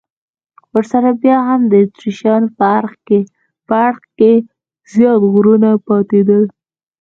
ورسره بیا هم د اتریشیانو په اړخ کې زیات غرونه پاتېدل.